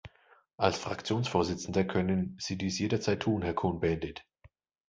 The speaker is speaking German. Als Fraktionsvorsitzender können Sie dies jederzeit tun, Herr Cohn-Bendit.